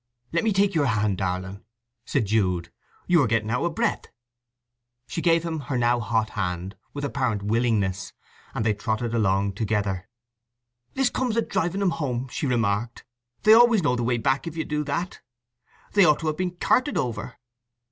"Let me take your hand, darling," said Jude. "You are getting out of breath." She gave him her now hot hand with apparent willingness, and they trotted along together. "This comes of driving 'em home," she remarked. "They always know the way back if you do that. They ought to have been carted over."